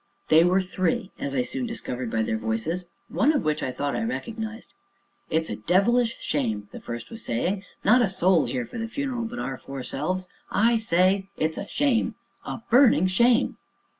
They were three, as I soon discovered by their voices, one of which I thought I recognized. "It's a devilish shame!" the first was saying; "not a soul here for the funeral but our four selves I say it's a shame a burning shame!"